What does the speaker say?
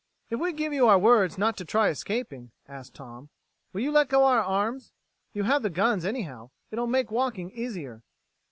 "If we give you our words not to try escaping," asked Tom, "will you let go our arms? You have the guns, anyhow. It'll make walking easier."